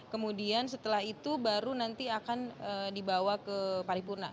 kemudian setelah itu baru nanti akan dibawa ke paripurna